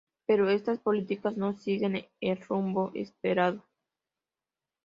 Pero estas políticas no siguieron el rumbo esperado.